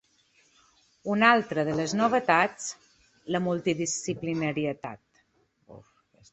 Un altra de les novetats la multidisciplinarietat.